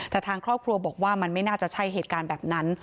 แต่ทางครอบครัวบอกว่ามันไม่น่าจะใช่เหตุการณ์แบบนั้น